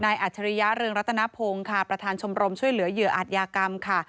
อัจฉริยะเรืองรัตนพงศ์ค่ะประธานชมรมช่วยเหลือเหยื่ออาจยากรรมค่ะ